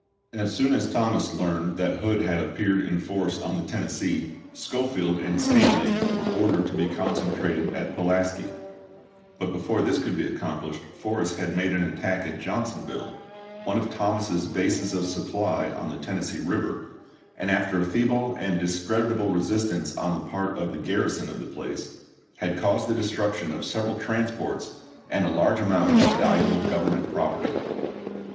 As soon as Thomas learned that Hood had ap peared in force on the Tennessee, Schofield and Stanley were ordered to be concentrated at Pulaski ; but before this could be accomplished Forrest had made an attack at Johnsonville, one of Thomas's bases of supply on the Tennessee River, and, after a feeble and discreditable resistance on the part of the garrison of the place, had caused the destruction of several transports and a large amount of valuable Government property.